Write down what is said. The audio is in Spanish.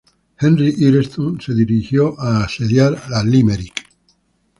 Henry Ireton, se dirigió a asediar a Limerick.